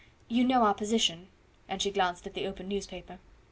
You know our position" and she glanced at the open newspaper.